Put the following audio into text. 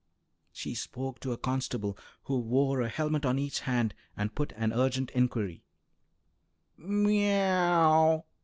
She spoke to a constable, who wore a helmet on each hand, and put an urgent inquiry.